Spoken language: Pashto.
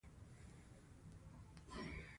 قناعت کول لویه خزانه ده